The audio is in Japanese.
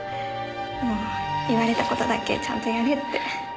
もう言われた事だけちゃんとやれって。